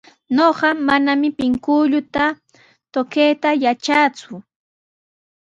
Ñuqa manami pinkulluta tukayta yatraaku.